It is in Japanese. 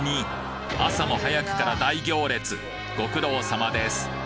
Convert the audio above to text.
朝も早くから大行列ご苦労様です